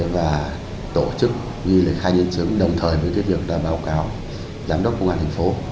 và tổ chức ghi lời khai nhân chứng đồng thời với việc báo cáo giám đốc công an thành phố